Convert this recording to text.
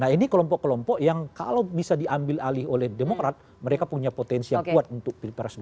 nah ini kelompok kelompok yang kalau bisa diambil alih oleh demokrat mereka punya potensi yang kuat untuk pilpres dua ribu